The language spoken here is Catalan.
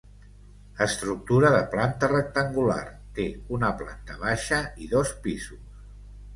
Estructura de planta rectangular, té una planta baixa i dos pisos.